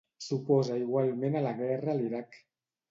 S'oposa igualment a la guerra a l'Iraq.